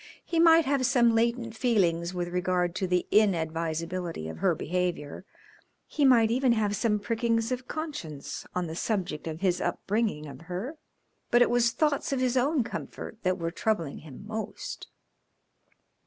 He might have some latent feelings with regard to the inadvisability of her behavior, he might even have some prickings of conscience on the subject of his upbringing of her, but it was thoughts of his own comfort that were troubling him most.